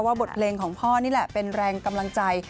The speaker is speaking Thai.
บทเพลงของพ่อนี่แหละเป็นแรงกำลังใจ